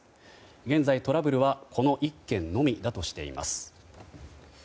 現在、トラブルはこの１件のみだとしています。